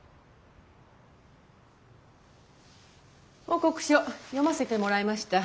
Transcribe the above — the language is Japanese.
報告書読ませてもらいました。